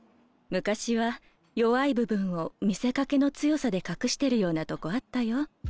昔は弱い部分を見せかけの強さで隠してるようなとこあったよ。